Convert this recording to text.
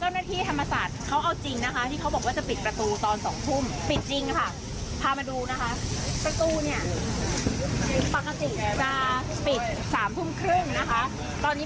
เจ้าหน้าที่ธรรมศาสตร์เขาเอาจริงที่เขาบอกว่าจะปิดประตูตอน๒ทุ่ม